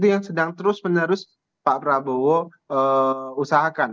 yang sedang terus menerus pak prabowo usahakan